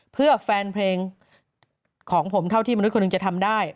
เพื่อแฟนเพลงของผมเท่าที่มนุษย์คนหนึ่งจะทำได้